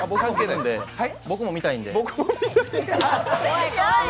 僕も見たいんで。